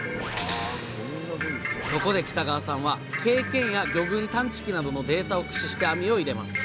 そこで北川さんは経験や魚群探知機などのデータを駆使して網を入れます。